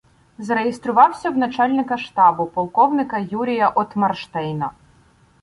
Зареєструвався в начальника штабу — полковника Юрія Отмарштейна.